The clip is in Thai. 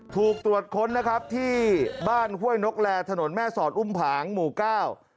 ถูกตรวจค้นนะครับที่บ้านห้วยนกแลถนนแม่สอดอุ้มผางหมู่เก้า